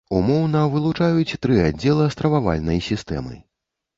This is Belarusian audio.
Умоўна вылучаюць тры аддзела стрававальнай сістэмы.